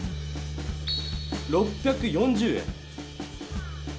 ６４０円。